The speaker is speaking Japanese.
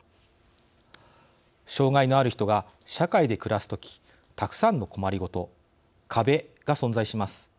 障害のある人が社会で暮らすときたくさんの困りごと、「壁」が存在します。